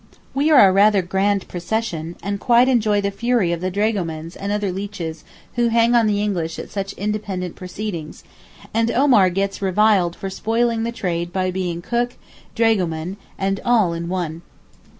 We are rather a grand procession, and quite enjoy the fury of the dragomans and other leeches who hang on the English at such independent proceedings, and Omar gets reviled for spoiling the trade by being cook, dragoman, and all in one.